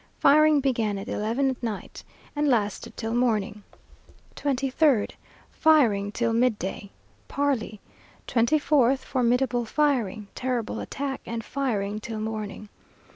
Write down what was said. Firing began at eleven at night, and lasted till morning. 23rd, firing till midday. Parley. 24th, formidable firing, terrible attack, and firing till morning.